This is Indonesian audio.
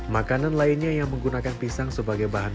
makanan lainnya yang menggunakan pisang sebagai bahan